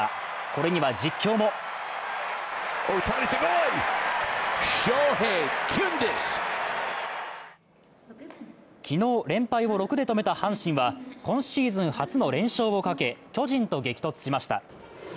これには実況も昨日連敗を６で止めた阪神は今シーズン初の連勝をかけ、巨人と激突しました。